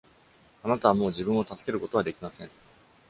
あなたはもう自分を助けることはできません。